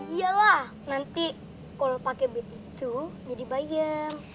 iya lah nanti kalau pakai b gitu jadi bayam